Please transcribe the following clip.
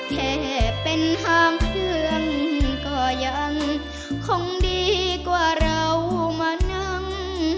แค่เป็นห้ามเพื่อนก็ยังคงดีกว่าเรามานั่ง